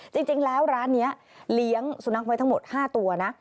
จริงแล้วร้านนี้เลี้ยงสุนัขไว้ทั้งหมด๕ตัวนะ